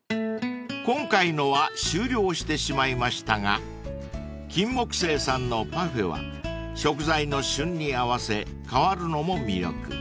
［今回のは終了してしまいましたが金木犀さんのパフェは食材の旬に合わせ替わるのも魅力］